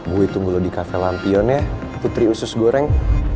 gue tunggu lo di cafe lampion ya putri usus goreng